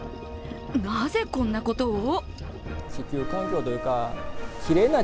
なぜこんなことを？